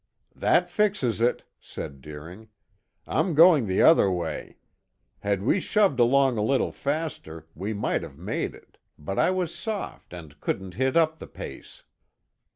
"That fixes it," said Deering. "I'm going the other way. Had we shoved along a little faster, we might have made it, but I was soft, and couldn't hit up the pace."